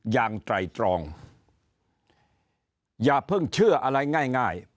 อย่างใจจรองอย่าเพิ่งเชื่ออะไรง่ายง่าย